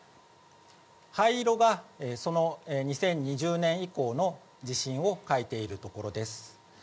灰色が、その２０２０年以降の地震を描いているところです。